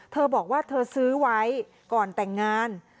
เธอบอกว่าเธอซื้อไว้ก่อนแต่งงาน